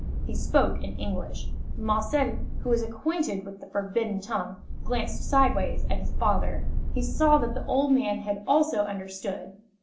He spoke in English. Marcel, who was acquainted with the forbidden tongue, glanced sidewise at his father. He saw that the old man had also understood.